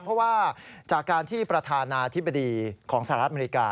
เพราะว่าจากการที่ประธานาธิบดีของสหรัฐอเมริกา